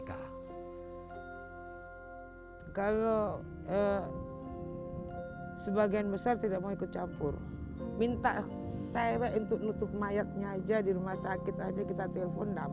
kalau sebagian besar tidak mau ikut campur minta saya untuk nutup mayatnya aja di rumah sakit aja kita telepon